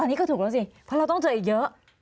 อันนี้ก็ถูกแล้วสิเพราะเราต้องเจออีกเยอะ